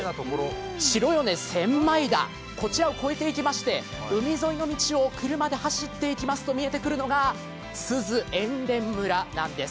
白米千枚田を越えていきまして海沿いの道を車で走って行きますと、見えてくるのがすず塩田村なんです。